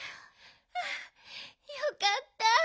はあよかった！